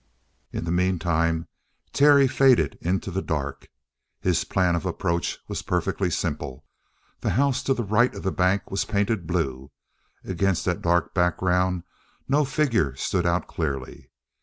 In the meantime Terry faded into the dark. His plan of approach was perfectly simple. The house to the right of the bank was painted blue. Against that dark background no figure stood out clearly.